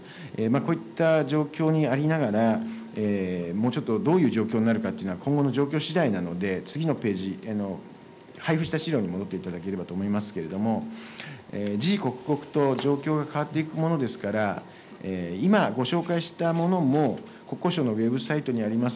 こういった状況にありながら、もうちょっとどういう状況になるかというのは、今後の状況しだいなので、次のページ、配布した資料に戻っていただければと思いますけれども、時々刻々と状況が変わっていくものですから、今ご紹介したものも、国交省のウェブサイトにあります